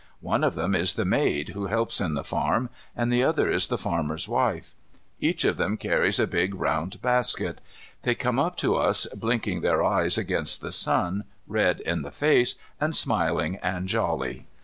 One of them is the maid who helps in the farm and the other is the farmer's wife. Each of them carries a big round basket. They come up to us blinking their eyes against the sun, red in the face, and smiling and jolly.